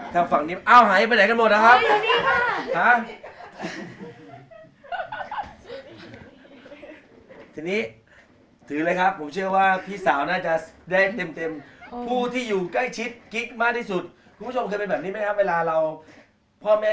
ตั้งแต่ยืมมานี่ยังไม่เคยคืนเลยนะ